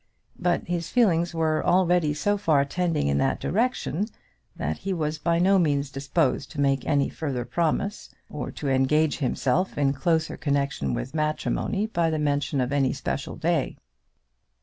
But his feelings were already so far tending in that direction, that he was by no means disposed to make any further promise, or to engage himself in closer connection with matrimony by the mention of any special day.